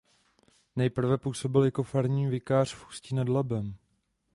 Nejprve působil jako farní vikář v Ústí nad Labem.